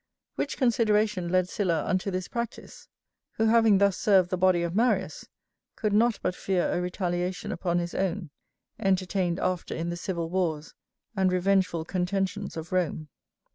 Which consideration led Sylla unto this practice; who having thus served the body of Marius, could not but fear a retaliation upon his own; entertained after in the civil wars, and revengeful contentions of Rome.